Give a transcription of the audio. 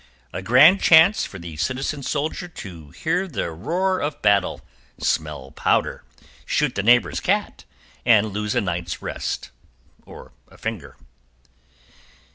A grand chance for the citizen soldier to hear the roar of battle, smell powder, shoot the neighbor's cat, and lose a night's rest or a finger.